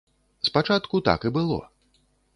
Спачатку так і было.